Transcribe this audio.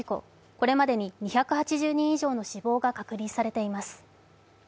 これまでに２８０人以上の死亡が確認されています。